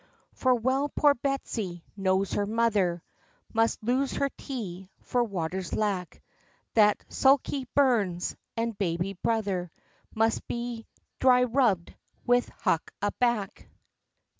For well poor Bessy knows her mother Must lose her tea, for water's lack, That Sukey burns and baby brother Must be dryrubb'd with huck a back!